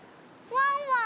ワンワーン！